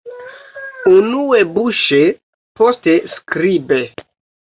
Unue buŝe, poste skribe.